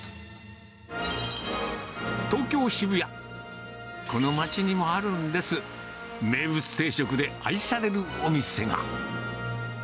東京・渋谷、この街にもあるんです、名物定食で愛されるお店が。